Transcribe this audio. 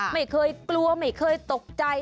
ไม่เคยกลัวไม่เคยตกใจ